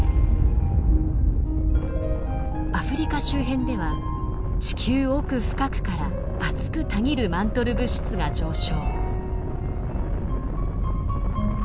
アフリカ周辺では地球奥深くから熱くたぎるマントル物質が上昇。